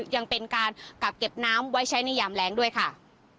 ยังเป็นการกักเก็บน้ำไว้ใช้ในยามแรงด้วยค่ะ